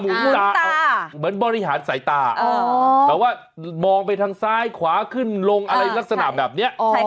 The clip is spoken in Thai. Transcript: เหมือนบริหารสายตาแบบว่ามองไปทางซ้ายขวาขึ้นลงอะไรลักษณะแบบนี้